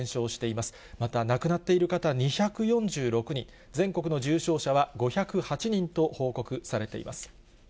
また、亡くなっている方２４６人、全国の重症者は５０８人と報告されています。